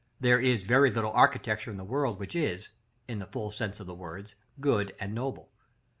There is very little architecture in the world which is, in the full sense of the words, good and noble.